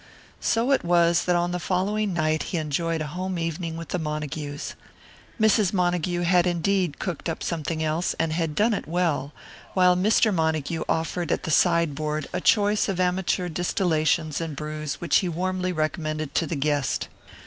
So it was that on the following night he enjoyed a home evening with the Montagues. Mrs. Montague had indeed cooked up something else, and had done it well; while Mr. Montague offered at the sideboard a choice of amateur distillations and brews which he warmly recommended to the guest.